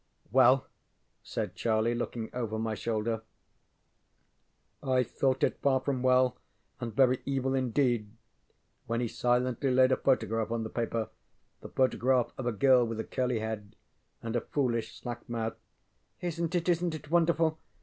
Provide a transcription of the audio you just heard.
ŌĆØ ŌĆ£Well? ŌĆØ said Charlie, looking over my shoulder. I thought it far from well, and very evil indeed, when he silently laid a photograph on the paper the photograph of a girl with a curly head, and a foolish slack mouth. ŌĆ£IsnŌĆÖt it isnŌĆÖt it wonderful?